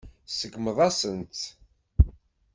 Tseggmeḍ-asent-tt.